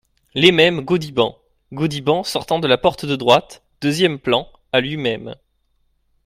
Les Mêmes, Gaudiband Gaudiband , sortant de la porte de droite, deuxième plan ; à lui-même.